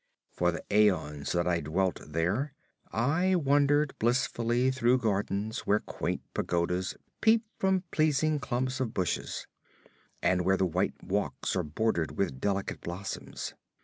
For the aeons that I dwelt there I wandered blissfully through gardens where quaint pagodas peep from pleasing clumps of bushes, and where the white walks are bordered with delicate blossoms.